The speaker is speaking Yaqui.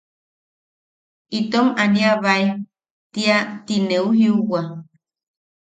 Itom aniabae tia ti neu jiuwa.